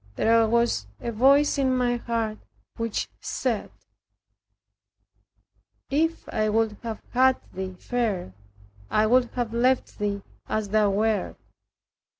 There was a voice in my heart which said, "If I would have had thee fair, I would have left thee as thou wert."